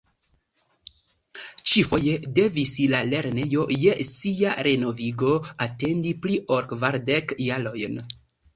Ĉifoje devis la lernejo je sia renovigo atendi pli ol kvardek jarojn.